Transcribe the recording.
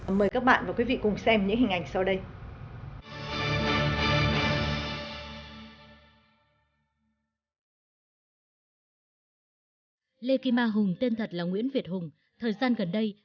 mời các bạn và quý vị cùng xem những hình ảnh sau đây